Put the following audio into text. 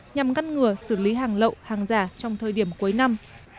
nhằm ngăn ngừa xử lý hàng lậu hàng giả trong thời điểm cuối năm